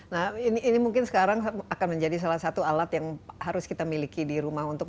nah ini mungkin sekarang akan menjadi salah satu alat yang harus kita miliki di rumah untuk